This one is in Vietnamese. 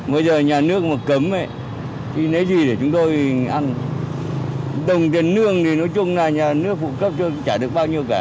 bây giờ nhà nước mà cấm thì lấy gì để chúng tôi ăn đồng tiền nương thì nói chung là nhà nước phụ cấp chả được bao nhiêu cả